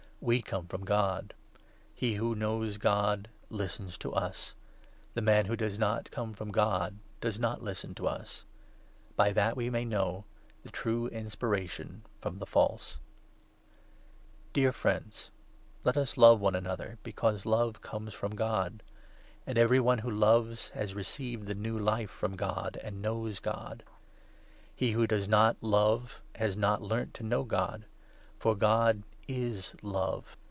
We come from God. He who knows God listens to us ; the man who does not come from God does not listen to us. By that we may know the true inspiration from the false. V. — LOVE OF GOD AND LOVE OF MAN. Dear friends, let us love one another, because Love comes 7 from God ; and every one who loves has received the new Life from God and knows God. He who does not love has 8 not learnt to know God ; for God is Love.